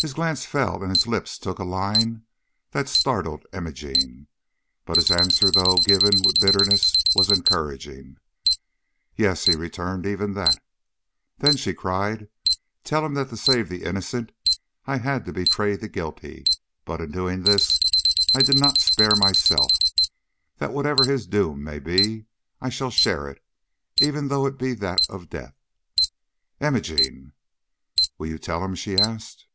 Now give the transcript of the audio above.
His glance fell and his lips took a line that startled Imogene, but his answer, though given with bitterness was encouraging. "Yes," he returned; "even that." "Then," she cried, "tell him that to save the innocent, I had to betray the guilty, but in doing this I did not spare myself; that whatever his doom may be, I shall share it, even though it be that of death." "Imogene!" "Will you tell him?" she asked.